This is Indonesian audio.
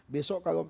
besok kalau terjadi